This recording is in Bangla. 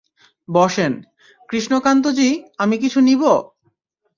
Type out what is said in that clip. বসেন, কৃষ্ণকান্তজি আমি কিছু নিবো?